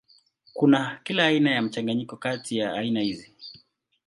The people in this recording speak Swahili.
Kuna kila aina ya mchanganyiko kati ya aina hizi.